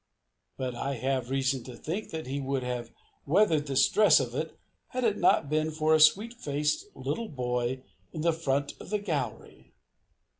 But I have reason to think that he would have weathered the stress if it had not been for a sweet faced little boy in the front of the gallery.